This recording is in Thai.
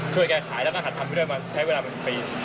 ช่วยแก่ขายแล้วก็ถัดทำด้วยมาใช้เวลาปี